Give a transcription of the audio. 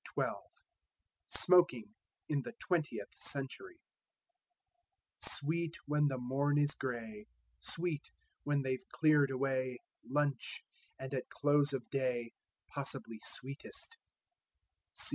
XII SMOKING IN THE TWENTIETH CENTURY Sweet when the morn is grey; Sweet, when they've clear'd away Lunch; and at close of day Possibly sweetest.